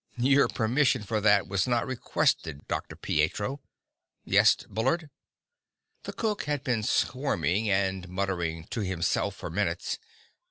"Your permission for that was not requested, Dr. Pietro! Yes, Bullard?" The cook had been squirming and muttering to himself for minutes.